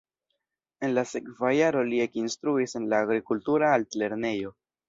En la sekva jaro li ekinstruis en la agrikultura altlernejo.